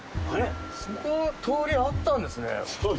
こんな通りあったんですね。